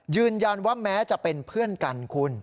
ยืนยันว่าแม้จะเป็นเพื่อนกันคุณ